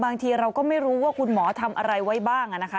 บางทีเราก็ไม่รู้ว่าคุณหมอทำอะไรไว้บ้างนะคะ